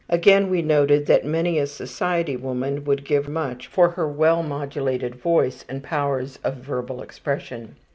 Again we noted that many a society woman would give much for her well modulated voice and powers of verbal expression.